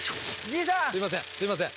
すいませんすいません。